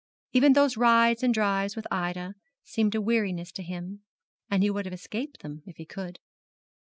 Even those rides and drives with Ida seemed a weariness to him, and he would have escaped them if he could.